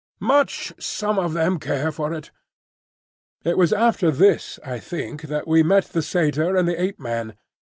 "Much some of them care for it!" It was after this, I think, that we met the Satyr and the Ape man.